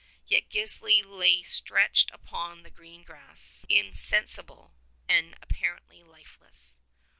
Yet Gisli lay stretched upon the green grass, insensible, and apparently lifeless.